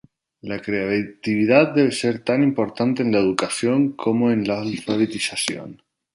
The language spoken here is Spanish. La creatividad debe ser tan importante en la educación como la alfabetización.